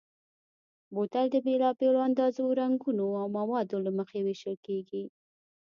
بوتل د بېلابېلو اندازو، رنګونو او موادو له مخې وېشل کېږي.